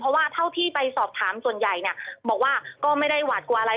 เพราะว่าเท่าที่ไปสอบถามส่วนใหญ่เนี่ยบอกว่าก็ไม่ได้หวาดกลัวอะไร